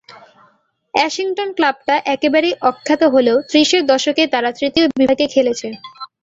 Ashington ক্লাবটা একেবারেই অখ্যাত হলেও ত্রিশের দশকে তারা তৃতীয় বিভাগে খেলেছে।